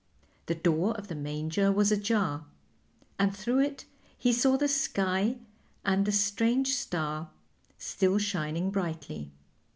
The door of the manger was ajar, and through it he saw the sky and the strange star still shining brightly.